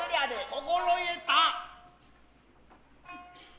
心得た。